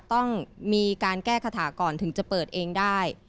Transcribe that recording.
ต้องมีการแก้คาถาก่อนถึงจะเปิดเองได้